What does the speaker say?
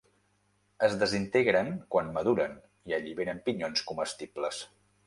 Es desintegren quan maduren i alliberen pinyons comestibles.